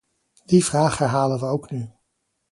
Die vraag herhalen we ook nu.